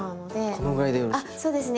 このぐらいでよろしいでしょうか？